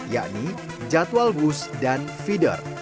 yakni jadwal bus dan feeder